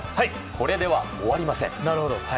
これでは終わりません。